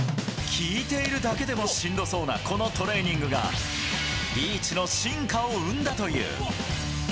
聞いているだけでもしんどそうなこのトレーニングが、リーチの進化を生んだという。